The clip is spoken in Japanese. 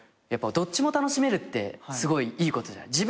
やっぱどっちも楽しめるってすごいいいことじゃん。